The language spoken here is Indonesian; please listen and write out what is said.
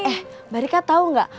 eh mbak rika tau gak